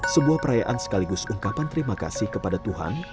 sebuah perayaan sekaligus ungkapan terima kasih kepada tuhan